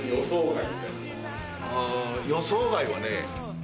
予想外はね